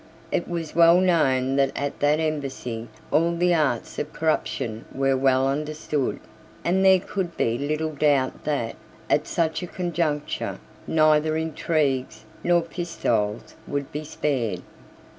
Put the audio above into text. It was well known that at that embassy all the arts of corruption were well understood; and there could be little doubt that, at such a conjuncture, neither intrigues nor pistoles would be spared.